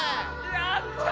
やった！